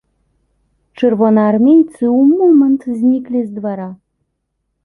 Чырвонаармейцы ў момант зніклі з двара.